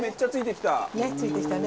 ねっついてきたね。